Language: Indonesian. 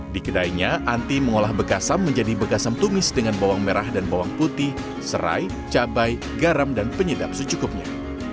di kedainya anti mengolah bekasam menjadi bekasam tumis dengan bawang merah dan bawang putih serai cabai garam dan penyedap secukupnya